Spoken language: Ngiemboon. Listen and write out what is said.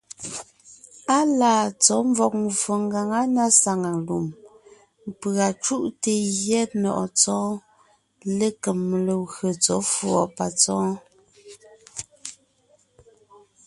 Á laa tsɔ̌ mvɔ̀g mvfò ngaŋá na saŋ lùm, pʉ̀a cúʼte gyɛ́ nɔ̀ʼɔ Tsɔ́ɔn lékem legwé tsɔ̌ fʉ̀ɔ patsɔ́ɔn.